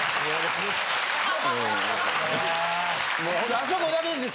あそこだけですよ。